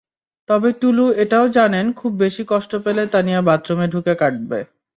তবে টুটুল এটাও জানেন খুব বেশি কষ্ট পেলে তানিয়া বাথরুমে ঢুকে কাঁদবে।